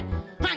hmm dasar kurang